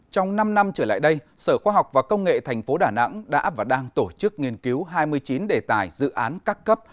trong năm năm trở lại đây sở khoa học và công nghệ tp đà nẵng đã và đang tổ chức nghiên cứu hai mươi chín đề tài dự án các cấp